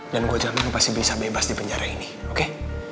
dan gue jamin lo pasti bisa bebas di penjara ini oke